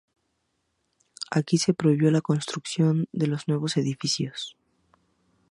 Aquí se ha prohibido la construcción de los nuevos edificios.